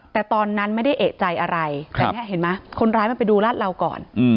แต่ตอนนั้นไม่ได้เอกใจอะไรแต่เนี่ยเห็นไหมคนร้ายมันไปดูลาดเหลาก่อน